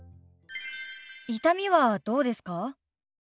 痛みはどうですか？